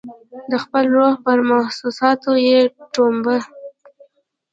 د خپل روح پر محسوساتو یې ټومبه